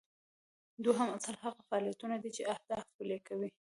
دوهم اصل هغه فعالیتونه دي چې اهداف پلي کوي.